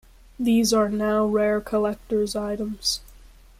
These are now rare collector's items.